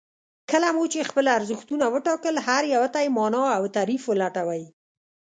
کله مو چې خپل ارزښتونه وټاکل هر يو ته يې مانا او تعريف ولټوئ.